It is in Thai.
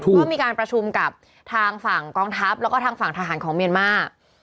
ก็มีการประชุมกับทางฝั่งกองทัพแล้วก็ทางฝั่งทหารของเมียนมาร์